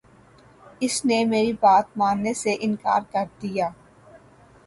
اس نے میری بات ماننے سے انکار کر دیا